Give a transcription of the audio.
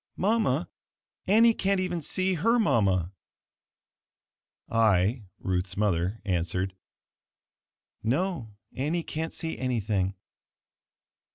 Mama, Annie can't even see her mama!" I (Ruth's mother) answered, "No, Annie can't see anything."